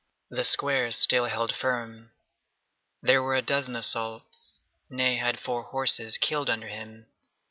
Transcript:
The squares still held firm. There were a dozen assaults. Ney had four horses killed under him.